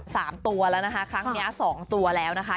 สามตัวแล้วนะคะครั้งเนี้ยสองตัวแล้วนะคะ